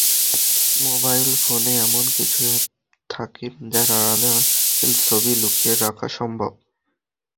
Mobile ফোনে এমন কিছু অ্যাপ থাকে যার আড়ালে অশ্লীল ছবি লুকিয়ে রাখা সম্ভব।